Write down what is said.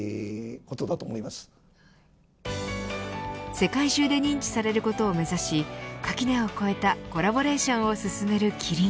世界中で認知されることを目指し垣根を越えたコラボレーションを進めるキリン。